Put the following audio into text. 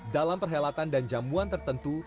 dalam perhelatan dan jamuan tertentu